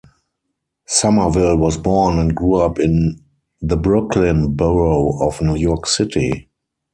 Somerville was born and grew up in the Brooklyn borough of New York City.